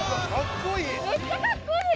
めっちゃかっこいい！